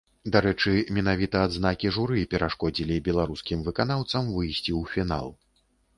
Дарэчы, менавіта адзнакі журы перашкодзілі беларускім выканаўцам выйсці ў фінал.